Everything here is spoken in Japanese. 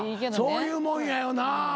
そういうもんやよな。